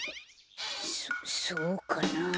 そそうかなあ？